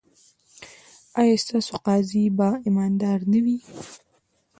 ایا ستاسو قاضي به ایماندار نه وي؟